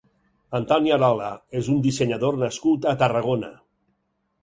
Antoni Arola és un dissenyador nascut a Tarragona.